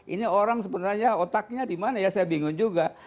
ini orang sebenarnya otaknya di mana ya saya bingung juga